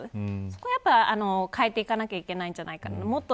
そこは変えていかなきゃいけないと思います。